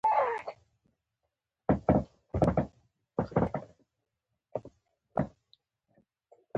• ونه د کاربن ډای اکساید جذبوي.